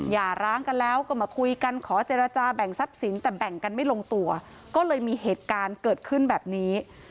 อย่าร้างกันแล้วก็มาคุยกันขอเจรจาแบ่งทรัพย์สินแต่แบ่งกันไม่ลงตัวก็เลยมีเหตุการณ์เกิดขึ้นแบบนี้